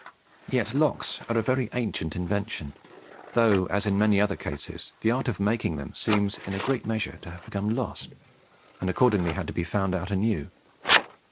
Yet locks are a very ancient invention, though, as in many other cases, the art of making them seems in a great measure to have become lost, and accordingly had to be found out anew.